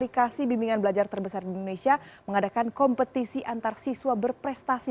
aplikasi bimbingan belajar terbesar di indonesia mengadakan kompetisi antarsiswa berprestasi